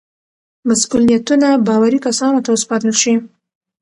مسئولیتونه باوري کسانو ته وسپارل شي.